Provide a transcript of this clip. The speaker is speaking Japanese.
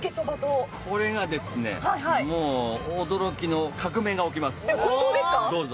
これがですね、もう驚きの、革命が起きます、どうぞ。